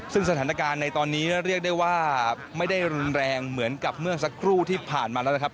ซึ่งสถานการณ์ในตอนนี้เรียกได้ว่าไม่ได้รุนแรงเหมือนกับเมื่อสักครู่ที่ผ่านมาแล้วนะครับ